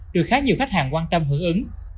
được khá nhiều khách hàng quan tâm hưởng ứng